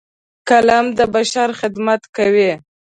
قلم د بشر خدمت کوي